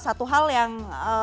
satu hal yang